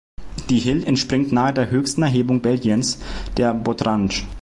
Die Hill entspringt nahe der höchsten Erhebung Belgiens, der Botrange.